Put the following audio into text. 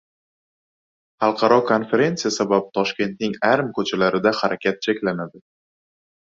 Xalqaro konferentsiya sabab Toshkentning ayrim ko‘chalarida harakat cheklanadi